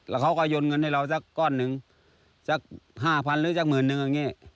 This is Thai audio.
แล้วเขาก็ยนต์เงินให้เราสักก้อนนึงสักห้าพันหรือสักหมื่นนึงอันนี้